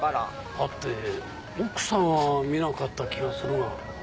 はて奥さんは見なかった気がするが。